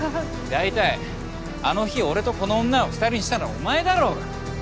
大体あの日俺とこの女を２人にしたのはお前だろうが。